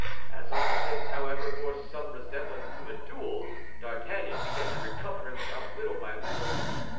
As all this, however, bore some resemblance to a duel, D'Artagnan began to recover himself little by little.